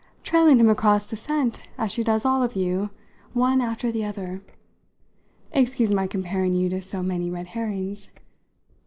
"Trailing him across the scent as she does all of you, one after the other. Excuse my comparing you to so many red herrings.